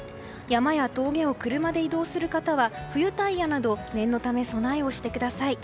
山や峠を車で移動する方は冬タイヤなど念のため備えをしてください。